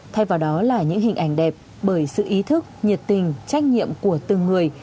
thay vào đó là những hình ảnh đẹp bởi sự ý thức nhiệt tình trách nhiệm của từng người